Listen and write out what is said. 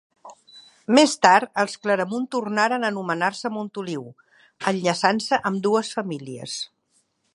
Més tard, els Claramunt tornaren a anomenar-se Montoliu, enllaçant-se ambdues famílies.